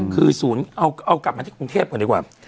คือศูนย์เอากลับมาที่กรุงเทพก่อนดีกว่า